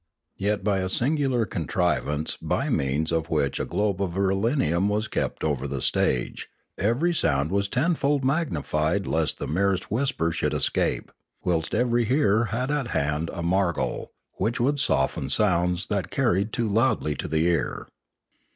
Yet by a singular contrivance, by means of which a globe of irelium was kept over the stage, every sound was tenfold magnified lest the merest whisper should escape, whilst every hearer had at hand a margol, which would soften sounds that carried too loudly to the ear.